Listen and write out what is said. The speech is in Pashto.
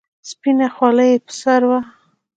سپينه خولۍ يې پر سر وه.